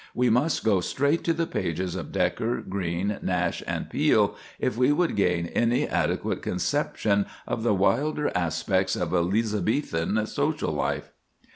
We must go straight to the pages of Dekker, Greene, Nash, and Peele, if we would gain any adequate conception of the wilder aspects of Elizabethan social life.